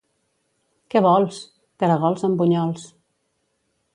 —Què vols? —Caragols amb bunyols.